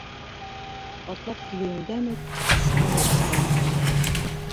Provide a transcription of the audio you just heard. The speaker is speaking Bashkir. — Атлап килеүеңдән үк сырамыттым.